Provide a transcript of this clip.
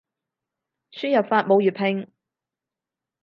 輸入法冇粵拼